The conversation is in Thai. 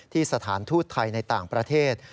สถานทูตไทยในต่างประเทศ